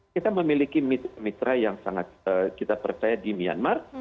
kita memiliki mitra yang sangat kita percaya di myanmar